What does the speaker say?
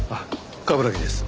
冠城です。